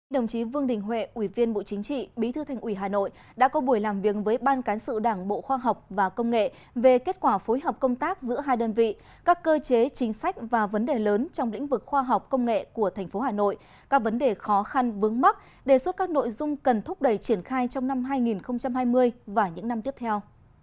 đồng chí vương đình huệ ủy viên bộ chính trị bí thư thành ủy hà nội đã có buổi làm việc với ban cán sự đảng bộ khoa học và công nghệ về kết quả phối hợp công tác giữa hai đơn vị các cơ chế chính sách và vấn đề lớn trong lĩnh vực khoa học công nghệ của thành phố hà nội các vấn đề khó khăn vướng mắc đề xuất các nội dung cần thúc đẩy triển khai trong năm hai nghìn hai mươi và những năm tiếp theo